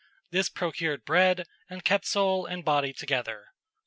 This procured bread, and kept soul and body together."